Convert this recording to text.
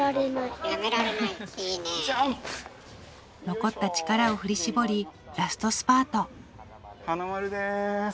残った力を振り絞りラストスパートはなまるです。